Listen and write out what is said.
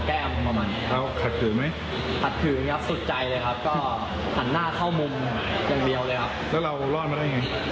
แล้วเรารอดมาได้ยังไง